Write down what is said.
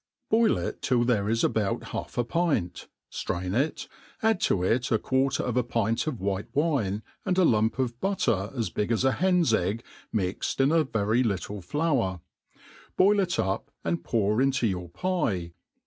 Boil it till there is about half a pint, ftrain it, add to it a quarter of a pint of .white wine, and a lump of butter 9s big as a hen's egg mixed in a very little Hour ; boil it up, and pour into your pie.